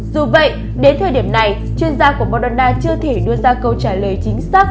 dù vậy đến thời điểm này chuyên gia của moderna chưa thể đưa ra câu trả lời chính xác